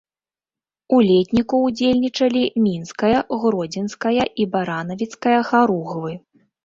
У летніку ўдзельнічалі мінская, гродзенская і баранавіцкая харугвы.